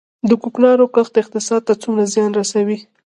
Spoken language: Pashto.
د کوکنارو کښت اقتصاد ته څومره زیان رسوي؟